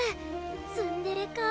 「ツンデレ」かぁ。